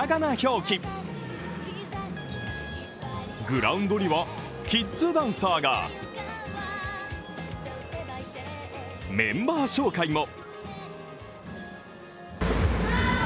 グラウンドにはキッズダンサーがメンバー紹介も。